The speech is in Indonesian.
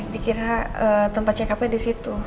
dikira tempat check upnya disitu